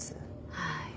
はい。